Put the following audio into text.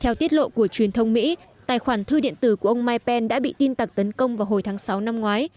theo tiết lộ của truyền thông mỹ tài khoản thư điện tử của ông mike penn đã bị tin tặc tấn công vào hồi tháng sáu năm ngoái